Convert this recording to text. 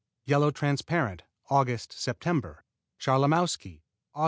Yellow Transparent Aug., Sept. Charlamowsky Aug.